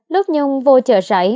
lúc nhung vô chợ rảy